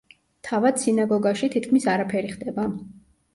თავად სინაგოგაში თითქმის არაფერი ხდება.